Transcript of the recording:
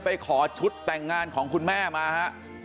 ไปขอชุดแต่งงานของคุณแม่มาฮะ